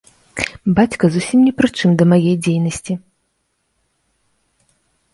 Бацька зусім ні пры чым да маёй дзейнасці!